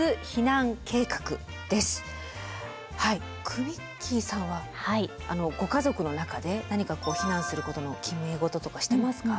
くみっきーさんはご家族の中で何かこう避難することの決め事とかしてますか？